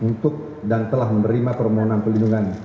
untuk dan telah menerima permohonan pelindungan